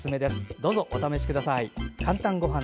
どうぞお試しください。